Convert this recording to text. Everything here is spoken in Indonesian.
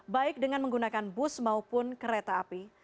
baik dengan menggunakan bus maupun kereta api